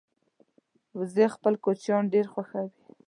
وزې خپل کوچنیان ډېر خوښوي